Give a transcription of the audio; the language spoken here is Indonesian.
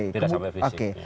tidak sampai fisik